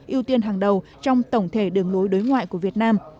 ưu tiên hàng đầu trong tổng thể đường lối đối ngoại của việt nam